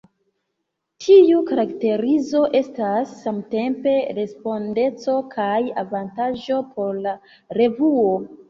Tiu karakterizo estas samtempe respondeco kaj avantaĝo por la revuo.